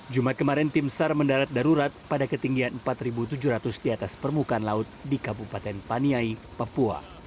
jumat kemarin tim sar mendarat darurat pada ketinggian empat tujuh ratus di atas permukaan laut di kabupaten paniai papua